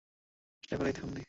চেষ্টা করেই দেখুন দেখি।